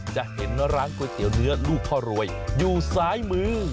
จะเห็นร้านก๋วยเตี๋ยวเนื้อลูกพ่อรวยอยู่ซ้ายมือ